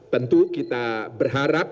tentu kita berharap